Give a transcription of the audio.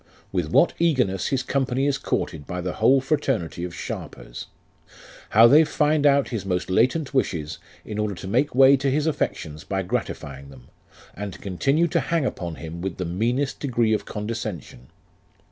With what eagerness his company is courted by the whole fraternity of sharpers ; how they find out his most latent wishes, in order to make way to his affections by gratifying them, and continue to hang upon him with the meanest degree of conde scension.